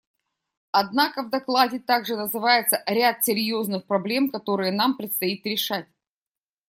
Однако в докладе также называется ряд серьезных проблем, которые нам предстоит решать.